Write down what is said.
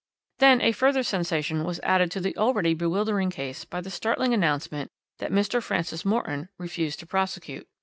"Then a further sensation was added to the already bewildering case by the startling announcement that Mr. Francis Morton refused to prosecute.